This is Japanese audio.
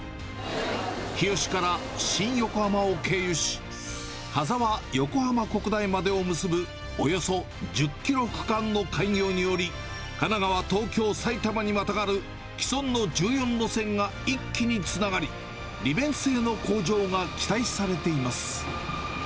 日吉から新横浜を経由し、羽沢横浜国大までを結ぶおよそ１０キロ区間の開業により、神奈川、東京、埼玉にまたがる、既存の１４路線が一気につながり、利便性の向上が期待されています。